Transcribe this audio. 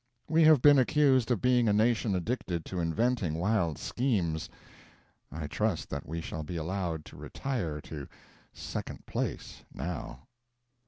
We have been accused of being a nation addicted to inventing wild schemes. I trust that we shall be allowed to retire to second place now.